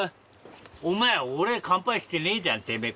お前俺乾杯してねえじゃんてめぇ。